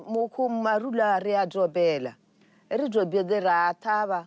มูคุมมะรุราเรียดรอเบลละและราเทาะ